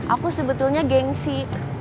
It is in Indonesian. aku sebetulnya gengsi